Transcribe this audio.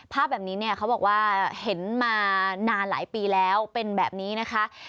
ภาพแบบนี้เนี่ยเขาบอกว่าเห็นมานานหลายปีแล้วเป็นแบบนี้นะคะ